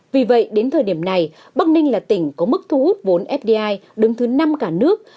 vì vậy đến thời điểm này bắc ninh là tỉnh có mức thu hút vốn fdi đứng thứ năm cả nước